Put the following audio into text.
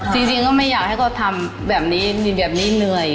จริงก็ไม่อยากให้เขาทำแบบนี้แบบนี้เหนื่อย